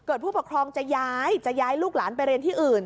ผู้ปกครองจะย้ายจะย้ายลูกหลานไปเรียนที่อื่น